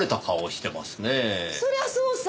そりゃそうさ！